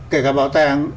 kể cả bảo tàng